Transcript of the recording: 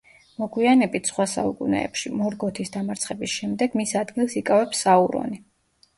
მოგვიანებით, სხვა საუკუნეებში, მორგოთის დამარცხების შემდეგ, მის ადგილს იკავებს საურონი.